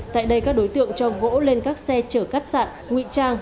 tại đây các đối tượng cho gỗ lên các xe chở cát sạn nguy trang